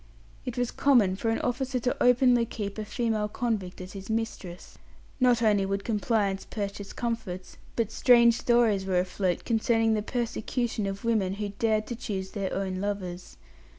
It was common for an officer to openly keep a female convict as his mistress. Not only would compliance purchase comforts, but strange stories were afloat concerning the persecution of women who dared to choose their own lovers.